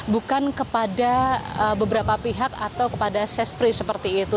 bukan kepada beberapa pihak atau kepada sespri seperti itu